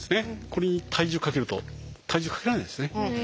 これに体重かけると体重かけられないですね。